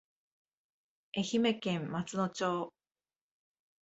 愛媛県松野町